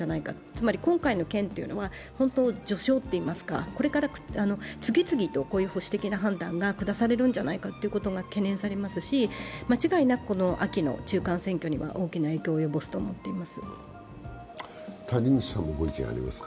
つまり今回の件というのは序章といいますか、これから次々と保守的な判断が出されるのではないかと懸念されますし間違いなくこの秋の中間選挙には大きな影響を及ぼすと思います。